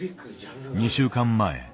２週間前。